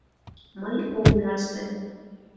Мый ом ярсе.